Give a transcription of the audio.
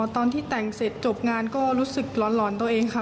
ตอนที่แต่งเสร็จจบงานก็รู้สึกหลอนตัวเองค่ะ